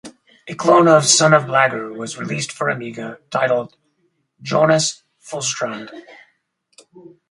A clone of "Son of Blagger" was released for Amiga, titled "Jonas Fulstrand".